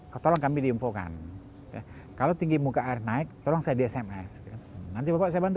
ketolong kami diinfokan kalau tinggi muka air naik tolong saya di sms nanti bapak saya bantu